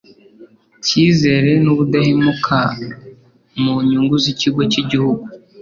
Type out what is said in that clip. cyizere n ubudahemuka mu nyungu z ikigo cy’igihugu